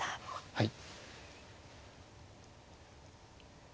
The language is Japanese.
はい。